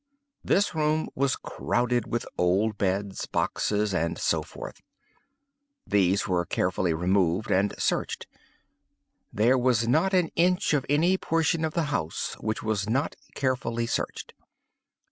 This room was crowded with old beds, boxes, and so forth. These were carefully removed and searched. There was not an inch of any portion of the house which was not carefully searched.